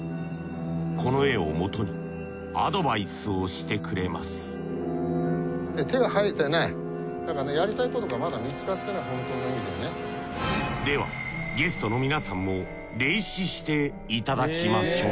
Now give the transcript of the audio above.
この絵をもとにアドバイスをしてくれますではゲストの皆さんも霊視していただきましょう。